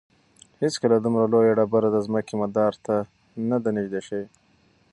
هیڅکله دومره لویه ډبره د ځمکې مدار ته نه ده نږدې شوې.